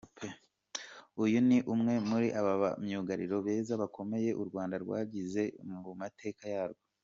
Uyu ni umwe muri ba myugariro beza bakomeye u Rwanda rwagize mu mateka yarwo.